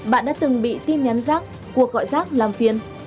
bạn đã từng bị tin nhắn giác cuộc gọi giác làm phiền